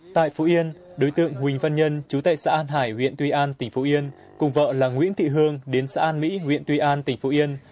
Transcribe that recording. tại phú yên đối tượng huỳnh văn nhân chú tại xã an hải huyện tuy an tỉnh phú yên cùng vợ là nguyễn thị hương đến xã an mỹ huyện tuy an tỉnh phú yên